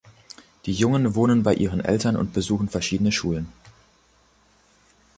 Die Jungen wohnen bei ihren Eltern und besuchen verschiedene Schulen.